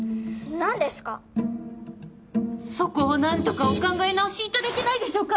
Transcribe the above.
何ですかそこを何とかお考え直しいただけないでしょうか